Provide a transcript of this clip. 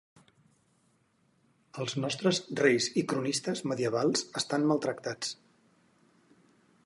Els nostres reis i cronistes medievals estan maltractats.